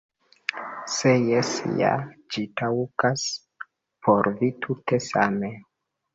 Se jes ja, ĝi taŭgas por vi tute same.